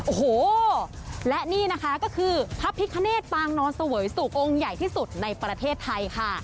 โอ้โหและนี่นะคะก็คือพระพิคเนตปางนอนเสวยสุของค์ใหญ่ที่สุดในประเทศไทยค่ะ